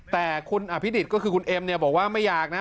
แต่คุณอภิษฐิตก็คือคุณเอ็มบอกว่าไม่อยากนะ